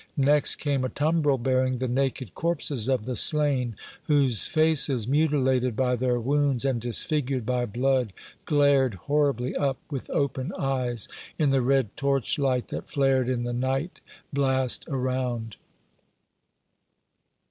Next came a tumbrel bearing the naked corpses of the slain, whose faces, mutilated by their wounds and disfigured by blood, glared horribly up, with open eyes, in the red torchlight that flared in the night blast around!